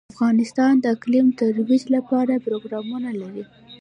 افغانستان د اقلیم د ترویج لپاره پروګرامونه لري.